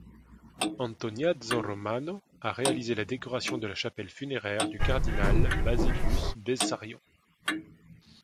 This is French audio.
Antoniazzo Romano a réalisé la décoration de la chapelle funéraire du cardinal Basilius Bessarion.